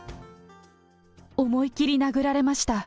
思いきり殴られました。